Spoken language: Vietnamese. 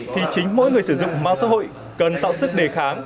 thì chính mỗi người sử dụng mạng xã hội cần tạo sức đề kháng